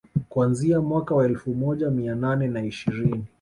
Kuanzia mwaka wa elfu moja mia nane na ishirini